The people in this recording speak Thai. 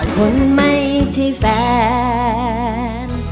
คนไม่ใช่แฟน